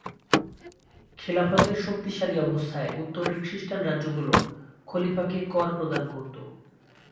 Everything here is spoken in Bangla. খিলাফতের শক্তিশালী অবস্থায় উত্তরের খ্রিষ্টান রাজ্যগুলো খলিফাকে কর প্রদান করত।